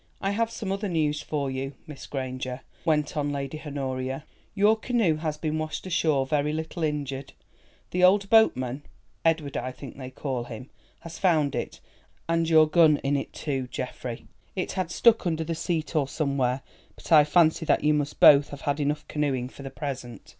"I have some other news for you, Miss Granger," went on Lady Honoria. "Your canoe has been washed ashore, very little injured. The old boatman—Edward, I think they call him—has found it; and your gun in it too, Geoffrey. It had stuck under the seat or somewhere. But I fancy that you must both have had enough canoeing for the present."